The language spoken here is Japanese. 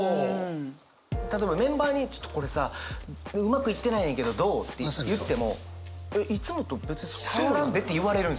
例えばメンバーに「ちょっとこれさうまくいってないんやけどどう？」って言っても「えっいつもと別に変わらんで」って言われるんですよ。